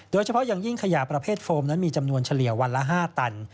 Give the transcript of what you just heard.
โดยเฉพาะอย่างยิ่งขยะประเภทโฟมนั้นมีจำนวนเฉลี่ยวันละ๕ตัน